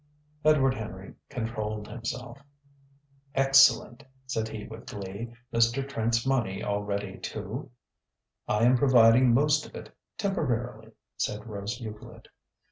Edward Henry controlled himself. "Excellent!" said he with glee. "Mr. Trent's money all ready too?" "I am providing most of it temporarily," said Rose Euclid.